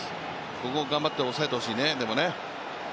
ここ、頑張って抑えてほしいね。